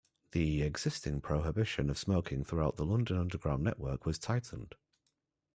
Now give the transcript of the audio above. The existing prohibition of smoking throughout the London Underground network was tightened.